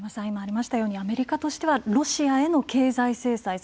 今ありましたようにアメリカとしてはロシアへの経済制裁